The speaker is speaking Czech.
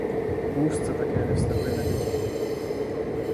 Půst se také nevztahuje na děti.